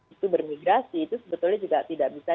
itu bermigrasi itu sebetulnya juga tidak bisa